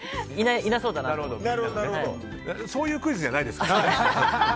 そういうクイズじゃないですから。